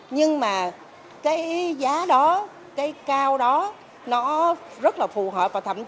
nhưng mà cái giá đó cái cao đó nó rất là phù hợp